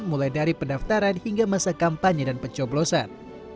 mulai dari pendaftaran hingga masa kampanye dan pencoblosan